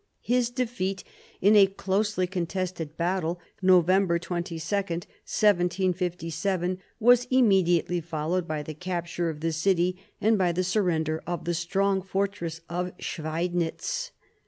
His defeat in a closely contested battle (November 22, 1757) was immediately followed by the capture of the city, and by the surrender of the strong fortress of Schweidnitz.